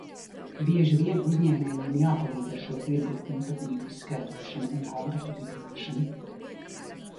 Bieži vien uzņēmējiem jāpalīdz ar šo tirgu īpatnību izskaidrošanu un kontaktu dibināšanu.